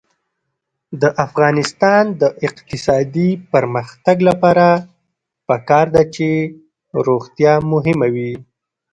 د افغانستان د اقتصادي پرمختګ لپاره پکار ده چې روغتیا مهمه وي.